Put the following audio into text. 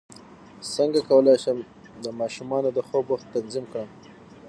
څنګه کولی شم د ماشومانو د خوب وخت تنظیم کړم